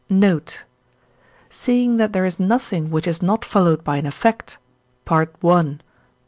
Note. Seeing that there is nothing which is not followed by an effect (I.